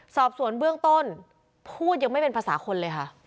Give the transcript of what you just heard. สอบสวนเบื้องต้นพูดยังไม่เป็นภาษาคนเลยค่ะ